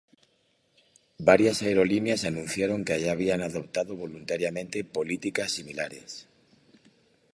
Varias aerolíneas anunciaron que ya habían adoptado voluntariamente políticas similares.